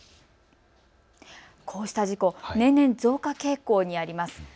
こうした事故、年々増加傾向にあります。